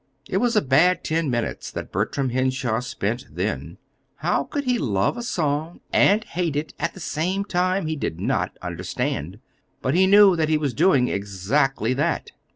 It was a bad ten minutes that Bertram Henshaw spent then. How he could love a song and hate it at the same time he did not understand; but he knew that he was doing exactly that.